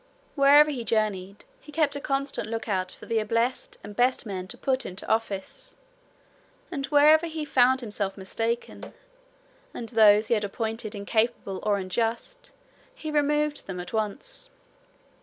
Wherever he journeyed, he kept a constant look out for the ablest and best men to put into office; and wherever he found himself mistaken, and those he had appointed incapable or unjust, he removed them at once.